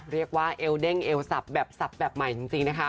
เรียกว่าเอวเด้งเอวสับแบบสับแบบใหม่จริงนะคะ